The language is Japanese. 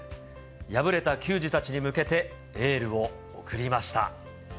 敗れた球児たちに向けてエールを送りました。